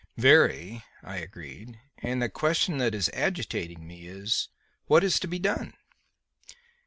"Very," I agreed; "and the question that is agitating me is, what is to be done?"